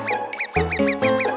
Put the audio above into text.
gigi permisi dulu ya mas